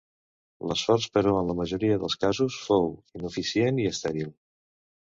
L'esforç però, en la majoria dels casos, fou ineficient i estèril.